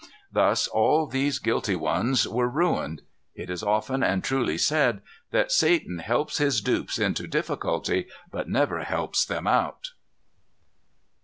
Thus all these guilty ones were ruined. It is often and truly said, that Satan helps his dupes into difficulty, but never helps them out.